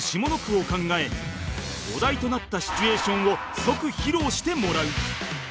お題となったシチュエーションを即披露してもらう